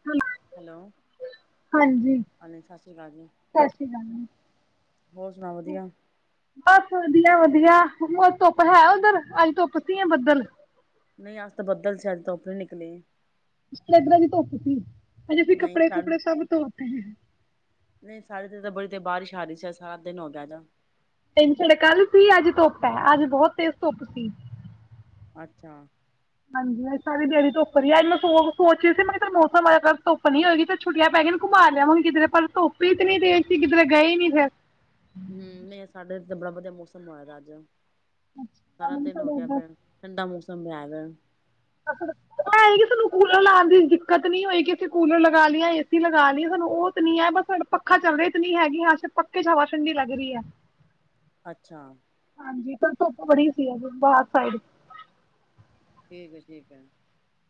ਹ [inaudible] ਹੈਲੋ ਹਾਂਜੀ ਸਤਿ ਸ਼੍ਰੀ ਅਕਾਲ ਜੀ ਸਤਿ ਸ੍ਰੀ ਅਕਾਲ ਜੀ। ਹੋਰ ਸੁਣਾ ਵਧੀਆ [unintelligible] ਬਸ ਵਧੀਆ ਵਧੀਆ ਧੁੱਪ ਹੈ ਉੱਧਰ ਅੱਜ ਧੁੱਪ ਸੀ ਆ ਬੱਦਲ ਨਹੀਂ ਅਸ ਤਾਂ ਬੱਦਲ ਸ਼ਾਇਦ ਤੋਂ ਉੱਪਰ ਨਿਕਲੇ ਆ [unintelligible] ਇਧਰਾਂ ਦੀ ਧੁੱਪ ਸੀ ਅਜ ਫਿਰ ਨਹੀਂ ਕੱਪੜੇ ਸਾਡੇ ਕੁਪੜੇ ਸਭ ਧੋਤੇ ਹੈ ਨਹੀਂ ਸਾਡੇ ਤੇ ਤਾਂ ਬੜੀ ਤੇ ਬਾਰਿਸ਼ ਆ ਰਹੀ ਸੀ ਸਾਰਾ ਦਿਨ ਹੋਗਿਆ ਤਿੰਨ ੜ ਕੱਲ ਸੀ ਅੱਜ ਧੁੱਪ ਹੈ ਅੱਜ ਬਹੁਤ ਤੇਜ਼ ਧੁੱਪ ਸੀ [unintelligible] ਅੱਛਾ ਹਾਂਜੀ ਸਾਰੀ ਦਿਹਾੜੀ ਧੁੱਪ ਰਹੀ ਅੱਜ ਮੈਂ ਸੋਚ ਰਹੀ ਸੀ ਮੌਸਮ ਅੱਜ [unintelligible] ਧੁੱਪ ਨੀ ਹੋਏਗੀ ਤੇ ਛੱਟ ਪੈ ਗਈਆਂ ਘੁੰਮਾ ਲਿਆਵ ਕਿਧਰੇ ਪਰ ਧੁੱਪ ਹੀ ਤੇ ਨੀ ਦੇਰ ਸੀ ਕਿਧਰੇ ਗਏ ਨੀ ਫਿਰ ਹਮ ਸਾਡੇ ਤੇ ਬੜਾ ਵਧੀਆ ਮੌਸਮ ਆਦਾ ਅੱਜ ਅੱਛਾ, [unintelligible] ਸਾਰਾ ਸਾਡੇ ਦਿਨ ਹੋ ਕੇ ਇੱਧਰ ਪੈਣ ਠੰਡਾ ਮੂੰ [unintelligible] ਸਮਭਿਆਦ [unintelligible] ਕਿ ਸਾਨੂੰ ਕੂਲਰ ਲਾਉਣ ਦੀ ਦਿੱਕਤ ਨਹੀ ਹੋਏਗੀ ਅਸੀਂ ਕੂਲਰ ਲਗਾ ਲਈਏ ਏਸੀ ਲਗਾ ਲਈਏ ਸਾਨੂੰ ਉਹ ਤਾਂ ਨਹੀ ਹੈ ਬਸ ਪੱਖਾ ਚੱਲ ਰਿਹਾ ਤਾਂ ਨੀ ਹੈਗੀ ਹੈ ਪੱਕੇ ਚ ਹਵਾ ਠੰਡੀ ਲੱਗ ਰਹੀ ਹੈ ਅੱਛਾ ਹਾਂਜੀ ਤੇ ਧੁੱਪ ਬੜੀ ਸੀ ਬਾਹਰ ਸਾਈਡ ਠੀਕ ਠੀਕ ਹੈ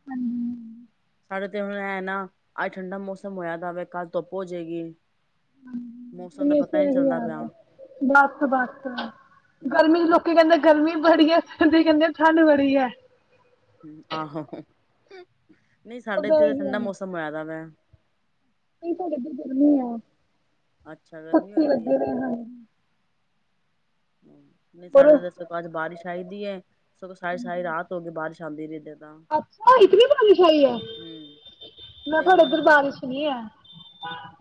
ਹਮ ਸਾਡੇ ਤੇ ਹੁਣ ਹੈ ਨਾ ਅੱਜ ਠੰਡਾ ਮੌਸਮ ਹੋਇਆ ਤਾਂ ਭਾਂਵੇ ਕੱਲ ਧੁੱਪ ਹੋ ਜਾਏਗੀ ਮੌਸਮ ਦਾ ਹਮੇਸ਼ [unintelligible] ਪਤਾ ਨਹੀਂ ਇਹੀ ਚੱਲਦਾ ਯਾਲ ਪਿਆ ਆ ਬਸ ਬਸ ਹੂੰ, ਗਰਮੀ ਚ ਲੋਕੀ ਕਹਿੰਦੇ ਗਰਮੀ ਬੜੀ ਹੈ ਸਰਦੀ ਕਹਿੰਦੇ ਠੰਡ ਬੜੀ ਹੈ ਹਮ ਆਹੋ ਨਹੀਂ ਸਾਡੇ ਉਹਦਾ ਇੱਥੇ ਤਾਂ ਇਹੀ ਠੰਡਾ ਹਾਲ ਹੈ ਮੌਸਮ ਹੋਇਆ ਵਾ ਨਹੀਂ ਤਾਂ ਕਿੇਦ ਫੇ ਆ ਅੱਛਾ ਗਰਮੀ ਉੱਥੇ ਹੋਈ ਦੀ ਹੈ ਲੱਗੇ ਰਹੇ ਹ [unintelligible] ਨਹੀਂ ਪਰ ਸਾਡੇ ਤੇ ਅੱਜ ਬਾਰਿਸ਼ ਆਈਦੀ ਹੈ ਸਗੋਂ ਸਾਰੀ ਸਾਰੀ ਰਾਤ ਹੋ ਗਈ ਬਾਰਿਸ਼ ਚਾਂਦੀ ਰਹਿੰ [unintelligible] ਅੱਛਾ ਇਤਨੀ ਬਾਰਿਸ਼ ਆਈ ਹੈ ਹਮ ਮੈਂ ਤੇ ਤੁਹਾਡੇ ਇੱਧਰ ਹੁਣ ਬਾਰਿਸ਼ ਨਹੀ ਹੈ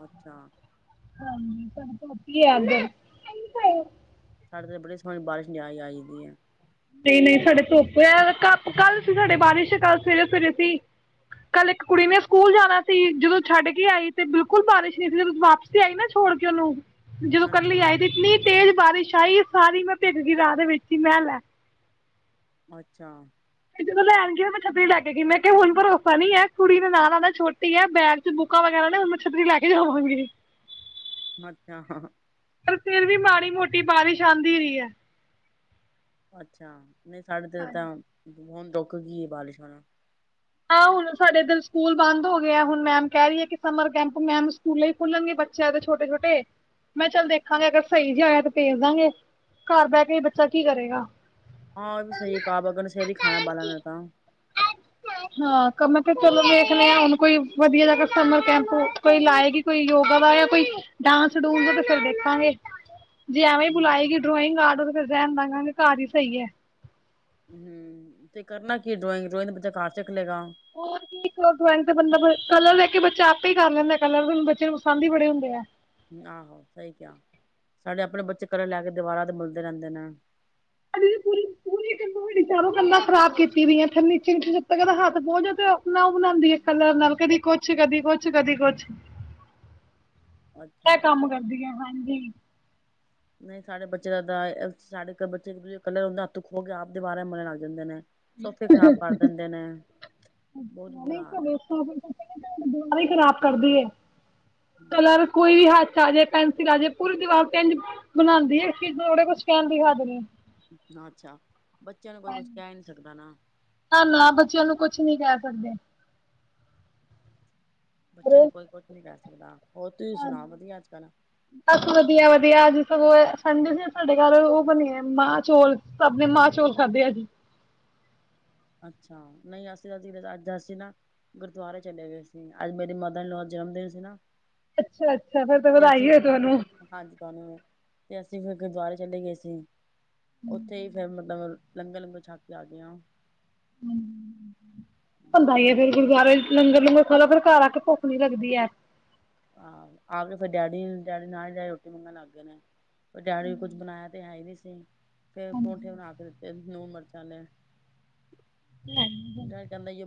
ਅੱਛਾ ਹਾਂਜੀ ਧਤੀ ਆਂਦੇ [unintelligible] ਸਾਡੇ ਤੇ ਬੜ ਸਹਣੀ ਬਾਰਿਸ਼ ਨ ਆ ਜਾਂਦੀ ਹੈ [unintelligible] ਨਹੀਂ ਨਹੀਂ ਸਾਡੇ ਧੁੱਪ ਕੱਲ ਸੀ ਸਾਡੇ ਬਾਰਿਸ਼ ਕੱਲ ਸਵੇਰੇ ਸਵੇਰੇ ਸੀ ਕੱਲ ਇੱਕ ਕੁੜੀ ਨੇ ਸਕੂਲ ਜਾਣਾ ਸੀ ਜਦੋਂ ਛੱਡ ਕੇ ਆਈ ਤੇ ਬਿਲਕੁਲ ਬਾਰਿਸ਼ ਨਹੀਂ ਸੀ ਜਦੋਂ ਵਾਪਸ ਤੇ ਆਈ ਨਾ ਛੋੜ ਕੇ ਉਹਨੂੰ ਜਦੋਂ ਅੱਛਾ ਇਕਲੀ ਆਈ ਤੇ ਇੰਨੀ ਤੇਜ਼ ਬਾਰਿਸ਼ ਆਈ ਸਾਰੀ ਮੈਂ ਭਿੱਜ ਗਈ ਰਾਹ ਦੇ ਵਿੱਚ ਹੀ ਮੈਂ ਲੈ ਅੱਛਾ ਤੇ ਜਦੋਂ ਲੈਣ ਗਈ ਮੈਂ ਛੱਤਰੀ ਲੈ ਕੇ ਗਈ ਮੈਂ ਕਿਹਾ ਹੁਣ ਭਰੋਸਾ ਨਹੀ ਹੈ ਕੁੜੀ ਦੇ ਨਾਲ ਆਉਣਾ ਛੋਟੀ ਹੈ ਬੈਗ ਚ ਬੁੱਕਾਂ ਵਗੈਰਾ ਨੇ ਹੁਣ ਮੈਂ ਛੱਤਰੀ ਲੈ ਕੇ ਜਾਵਾਂਗੀ ਅੱਛਾ ਹਾਂ ਪਰ ਫਿਰ ਵੀ ਮਾੜੀ ਮੋਟੀ ਬਾਰਿਸ਼ ਆਉਂਦੀ ਰਹੀ ਹੈ ਅੱਛਾ ਨਹੀਂ ਸਾਡੇ ਤੇ ਹਾਂਜੀ ਤਾਂ ਹੁਣ ਦੁੱਖ ਕੀ ਬਾਲਿਸ਼ਾਂਣਾ [inaudible] ਆਾਂ ਹੁਣ ਸਾਡੇ ਇਧਰ ਸਕੂਲ ਬੰਦ ਹੋ ਗਿਆ ਹੁਣ ਮੈਮ ਕਹਿ ਰਹੀ ਆ ਕਿ ਸਮਰ ਕੈਂਪ ਮੈਮ ਸਕੂਲ ਹੀ ਖੁਲਣਗੇ ਬੱਚਿਆਂ ਦੇ ਛੋਟੇ ਛੋਟੇ ਮੈਂ ਚੱਲ ਦੇਖਾਂਗੇ ਅਗਰ ਸਹੀ ਜ ਆ ਤੇ ਭੇਜ ਦਾਂਗੇ ਘਰ ਬਹਿ ਕੇ ਹੀ ਬੱਚਾ ਕੀ ਕਰੇਗਾ ਹਾਂ ਉਹ ਵੀ ਸਹੀ ਹੈ ਕ ਬ ਅਗਰ ਸ਼ਹਿਰੀ ਖਾਣਾ ਬਾਲਾਂਣਾ ਤਾਂ ਹਾਂ ਕ ਮੈਂ ਤੇ ਚਲੋ ਦੇਖ ਲ ਹ ਹੁਣ ਕੋਈ ਵਧੀਆ ਜਗ ਸਮਰ ਕੈਂਪ ਕੋਈ ਲਾਏਗੀ ਕੋਈ ਯੋਗਾ ਦਾ ਜਾਂ ਕੋਈ ਡਾਂਸ ਡੂਸ ਤੇ ਫਿਰ ਦੇਖਾਂਗੇ ਜੀ ਹਵੇਂ ਹਮ ਬੁਲਾਏਗੀ ਡੋਇੰਗ ਆਰਟਰ ਫੇਰ ਰਹਿਣ ਦਗਾਾਂਗੇ ਘਰ ਹੀ ਸਹੀ ਹੈ ਤੇ ਕਰਨਾ ਕੀ ਡਰਾਇਗ ਰੋ ਬੱਚਾ ਘਰ ਚ ਹੋਰ ਕੀੀਕ ਭਗਵੰ [inaudible] ਬੰਦਾ ਬ ਕਲਰ ਦੇਖ ਕੇ ਬੱਚਾ ਆਪੇ ਹੀ ਕਰ ਲੈਂਦਾ ਕਲਰ ਵੀ ਬੱਚੇ ਨੂੰ ਪਸਦ ਹੀ ਬੜੇ ਹੁੰਦੇ ਆ ਆਹੋ ਸਹੀ ਕਿਹਾ ਸਾਡੇ ਆਪਣੇ ਬੱਚੇ ਘਰੇ ਲੈ ਕੇ ਦੀਵਾਰਾਂ ਤੇ ਮਿਲਦੇ ਰਹਿੰਦੇ ਨੇ ਪੂਰੀ ਪੂਰੀ ਕੰ ਚਾਰ ਕੰਾਂ ਖਰਾਬ ਕੀਤੀਈਆਂਥ ਨੀਚ ਜ ਤ ਕਦਾ ਹੱਥ ਬਹੁਦਾ ਆਪ ਉਹ ਬਣਾਉਦੀ ਹੈ ਕਲਰ ਨਾਲ ਕਦੀ ਕੁਛ ਕਦੀ ਕੁਛ ਕਦੀ ਕੁਛ ਮੈਂ ਅੱਛਾ ਕੰਮ ਕਰਦੀ ਆ ਹਾਂਜੀ ਨਹੀਂ ਸਾਡੇ ਬੱਚੇ ਦਾ ਸਾਡੇ ਬੱਚੇ ਦੂਜੇ ਇਕ ਹੁੰਦੇ ਹੱਥ ਖੋਹ ਕੇ ਆਪਦੇ ਦੀਵਾਰਾਂ ਨੂੰ ਮੱਲਣ ਲੱਗ ਜਾਂਦੇ ਨੇ ਸੋਫੇ ਖ਼ਰਾਬ ਕਰ ਦਿੰਦੇ ਨੇ ਬਹੁਤ ਬੁਰਾ ਹਾਲ ਹੈ। ਦੁਬਾਰਾ ਖਰਾਬ ਕਰਦੀ ਹੈ ਕਲਰ ਕੋਈ ਵੀ ਹੱਥ ਆਜੇ ਪੈਨਸਿਲ ਆਜੇ ਪੂਰੀ ਦੀਵਾਰ ਤੇ ਇੰਜ ਬਣਾਉਂਦੀ ਹੈ ਚੀਜ਼ ਨੂੰ ਕੁਛ ਕਹਿਣ ਦੀ ਹਦ ਨੇ ਅੱਛਾ ਬੱਚਿਆਂ ਨੂੰ ਕੋਈ ਕੁਛ ਕਹਿ ਨੀ ਸਕਦਾ ਨਾ ਤੁ ਬੱਚਿਆਂ ਨੂੰ ਕੁਛ ਨੀ ਕਹਿ ਸਕਦੇ ਬੱਚੇ ਨੂੰ ਹੋਰ? ਕੋਈ ਕੁਛ ਨੀ ਕਹਿ ਸਕਦਾ ਲਦਦਾ [inaudible] ਹੋਰ ਤੁਸੀਂ ਸੁਣਾ ਹਾਂਜੀ ਵਧੀਆ ਅੱਜ ਕੱਲ ਦੇ ਸੀ ਸਾਡੇ ਘਰ ਉਹ ਬਣੇ ਮਾਂ ਚੋਲ ਆਪਣੇ ਮਾਂ ਚੋਲ ਖਾਧੇ ਆ ਜੀ ਅੱਛਾ ਨਹੀਂ ਅਸੀਂ ਤਾਂ ਅੱਜ ਅਸੀਂ ਨਾ ਗੁਰਦੁਆਰੇ ਚਲੇ ਗਏ ਸੀ ਅੱਜ ਮੇਰੀ ਮਦਰ ਜਨਮ ਦਿਨ ਸੀ ਨਾ ਅੱਛਾ ਅੱਛਾ ਤੇ ਅਸੀਂ ਫ ਹਾਂਜੀ ਕਹਾਨ ਤੇ ਅਸੀਂ ਂ ਫਿਰ ਗੁਰਦੁਆਰੇ ਚਲੇ ਗਏ ਸੀ ਉੱਥੇ ਹੀ ਫੇਿਰ ਮਤਲਬ ਲੰਗਰ ਲੰਗਰ ਛਾ ਕੇ ਆ ਗਿਆ ਹਮ ਹੁੰਦਾ ਈ ਫੇਰ ਗੁਰਦੁਆਰੇ ਚ ਲੰਗਰ ਲੰਗਰ ਖਾ ਲਓ ਫਿਰ ਘਰ ਆ ਕੇ ਭੁੱਖ ਨੀ ਲੱਗਦੀ ਹੈ ਆਹੋ ਆ ਕੇ ਫਿਰ ਡੈਡੀ ਡੈਡੀ ਨਾਲ ਜਾ ਰੋਟੀ ਮੰਗਣ ਲੱਗ ਗਏ ਨੇ ਫਿਰ ਡੈਡੀ ਕੁੱਝ ਬਣਾਇਆ ਤੇ ਹੈ ਹੀ ਨਹੀਂ ਸੀ ਫਿਰ ਪਰੌਂਠੇ ਬਣਾ ਕੇ ਦਿੱਤੇ ਨੂੰਹ ਚੱਲ ਹਮ